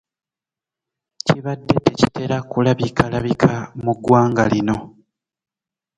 Kibadde tekitera kulabikalabika mu ggwanga lino.